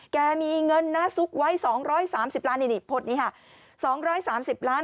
แกมีเงินนะซุกไว้๒๓๐ล้านนี่พดนี้ค่ะ๒๓๐ล้าน